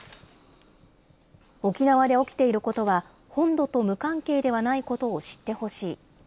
沖縄で起きていることは、本土と無関係ではないことを知ってほしい。